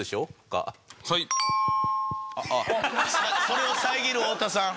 それを遮る太田さん。